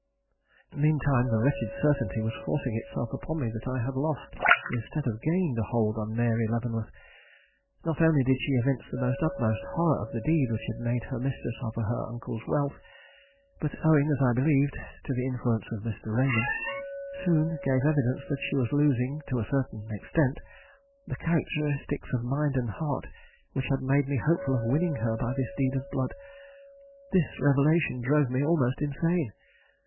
Meantime the wretched certainty was forcing itself upon me that I had lost, instead of gained, a hold on Mary Leavenworth. Not only did she evince the utmost horror of the deed which had made her mistress of her uncle's wealth, but, owing, as I believed, to the influence of Mr. Raymond, soon gave evidence that she was losing, to a certain extent, the characteristics of mind and heart which had made me hopeful of winning her by this deed of blood. This revelation drove me almost insane.